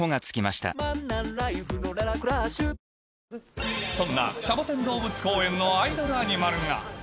あそんなシャボテン動物公園のアイドルアニマルが。